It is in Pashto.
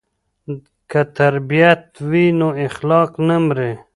که تربیت وي نو اخلاق نه مري.